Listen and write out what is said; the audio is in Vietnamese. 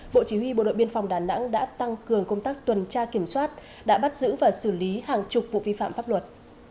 khi bộ đội biên phòng đà nẵng đã tăng cường công tác tuần tra kiểm soát đã bắt giữ và xử lý hàng chục vụ vi phạm pháp luật